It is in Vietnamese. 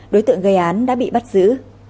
đối tượng gây án đã bị bắt giữ